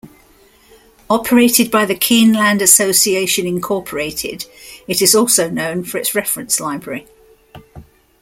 Operated by the Keeneland Association, Incorporated it is also known for its reference library.